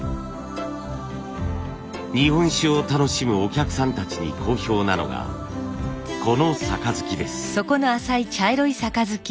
日本酒を楽しむお客さんたちに好評なのがこの盃です。